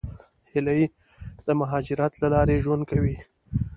هیلۍ د مهاجرت له لارې ژوند کوي